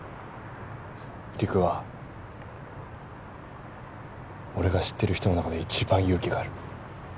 りくは俺が知ってる人の中で一番勇気がある。